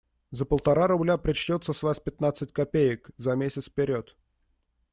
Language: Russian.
За полтора рубля причтется с вас пятнадцать копеек, за месяц вперед.